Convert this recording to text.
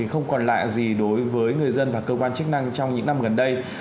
không còn lạ gì đối với người dân và cơ quan chức năng trong những năm gần đây